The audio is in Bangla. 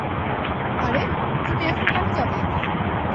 আরে, তুমি এখন কেন যাবে?